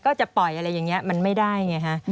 ก็จะปล่อยอะไรอย่างนี้มันไม่ได้ไงฮะ